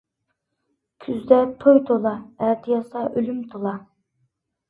كۈزدە توي تولا، ئەتىيازدا ئۆلۈم تولا.